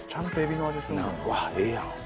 ナンうわええやん！